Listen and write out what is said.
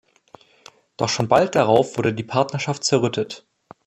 Doch schon bald darauf wurde die Partnerschaft zerrüttet.